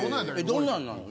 どんなんなの？